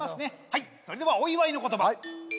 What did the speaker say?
はいそれではお祝いの言葉。